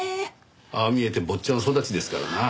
ああ見えて坊ちゃん育ちですからな。